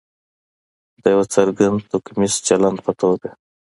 د یو څرګند توکمیز چلند په توګه.